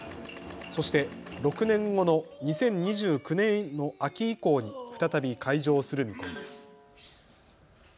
そして６年後の２０２９年の秋以降に再び開場する見込みです。